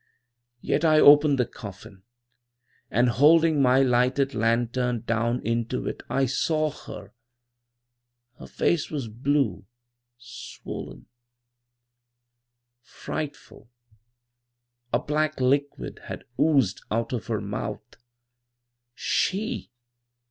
"Yet I opened the coffin, and, holding my lighted lantern down into it I saw her. Her face was blue, swollen, frightful. A black liquid had oozed out of her mouth. "She!